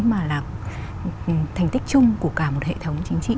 mà là thành tích chung của cả một hệ thống chính trị